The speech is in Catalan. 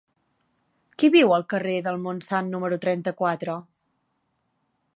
Qui viu al carrer del Montsant número trenta-quatre?